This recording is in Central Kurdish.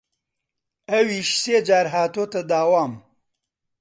ئەویش سێ جار هاتووەتە داوام